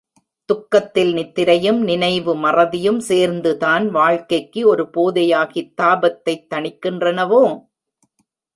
துக்கத்தில் நித்திரையும் நினைவு மறதியும் சேர்ந்துதான் வாழ்க்கைக்கு ஒரு போதையாகித் தாபத்தைத் தணிக்கின்றனவோ?